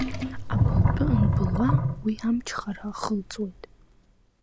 Абылтәы анбылуа уи амчхара ахылҵуеит.